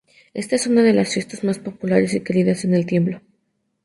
Esta es una de las fiestas más populares y queridas en El Tiemblo.